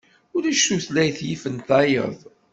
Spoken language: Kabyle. Ulac tutlayt yifen tayeḍ.